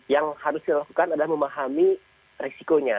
yang harus dilakukan adalah memahami resikonya